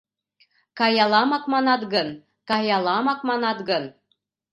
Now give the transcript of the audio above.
Каяламак манат гын, каяламак манат гын